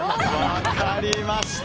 分かりました！